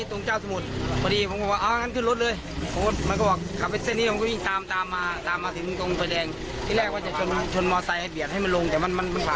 แต่เปลี่ยนไม่ได้เพราะรถมันเยอะ